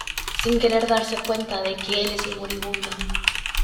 sin querer darse cuenta de que él es el moribundo